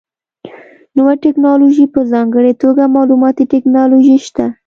نوې ټکنالوژي په ځانګړې توګه معلوماتي ټکنالوژي شته.